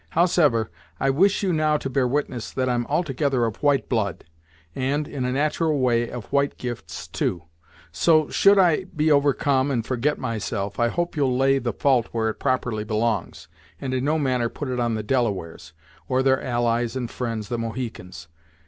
Howsever, I wish you now to bear witness that I'm altogether of white blood, and, in a nat'ral way of white gifts too; so, should I be overcome and forget myself, I hope you'll lay the fault where it properly belongs, and in no manner put it on the Delawares, or their allies and friends the Mohicans.